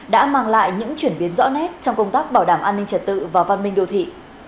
đã mang lại những chuyển biến rõ nét trong công tác bảo đảm an ninh trật tự và văn minh đô thị